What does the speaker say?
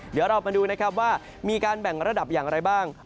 เดี๋ยวเรามาดูนะครับว่ามีการแบ่งระดับอย่างไรบ้าง